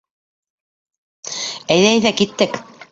Әйҙә, әйҙә, киттек.